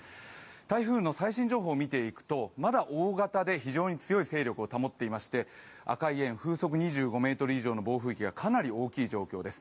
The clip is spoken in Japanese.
台風の最新情報を見ていくとまだ大型で非常に強い勢力を保っていまして赤い円、風速２５メートル以上の暴風域がかなり大きい状況です。